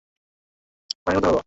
বাবা, এর চেয়ে বেশি মাইনে কোথায় পাব?